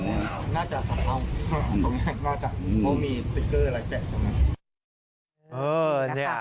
น่าจะสำเร็จน่าจะเพราะมีสติกเกอร์อะไรแจ้ง